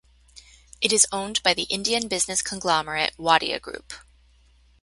It is owned by the Indian business conglomerate Wadia Group.